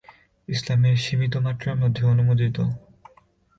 ইসলামে সীমিত মাত্রার মধ্যে অনুমোদিত।